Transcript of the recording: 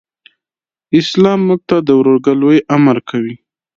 اسلام موږ ته د ورورګلوئ امر کوي.